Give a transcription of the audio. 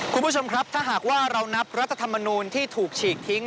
คุณผู้ชมครับถ้าหากว่าเรานับรัฐธรรมนูลที่ถูกฉีกทิ้ง